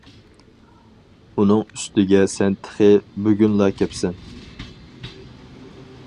ئۇنىڭ ئۈستىگە سەن تېخى بۈگۈنلا كەپسەن.